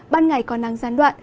ban ngày có nắng gián đoạn